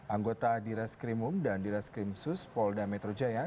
anggota diras krimum dan diras krimsus polda metro jaya